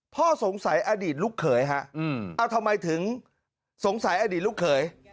พ่อสงสัยอดีตลูกเขยฮะเอาทำไมถึงสงสัยอดีตลูกเขย